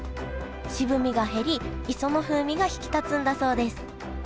渋みが減り磯の風味が引き立つんだそうです